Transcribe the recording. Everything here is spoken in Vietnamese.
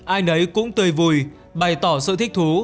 ai nấy cũng tươi vui bày tỏ sự thích thú